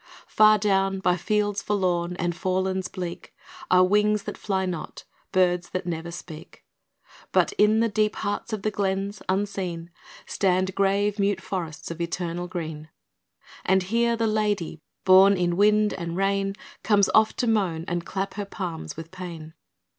Far down, by fields forlorn and forelands bleak, Are wings that fly not, birds that never speak; But in the deep hearts of the glens, unseen, Stand grave, mute forests of eternal green; And here the lady, born in wind and rain, Comes oft to moan and clap her palms with pain.